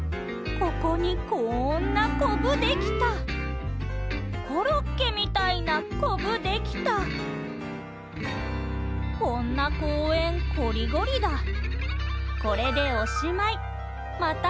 ここにこんなこぶできたコロッケみたいなこぶできたこんな公園こりごりだ